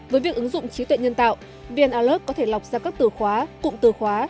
với việc ứng dụng trí tuệ nhân tạo vn alert có thể lọc ra các từ khóa cụm từ khóa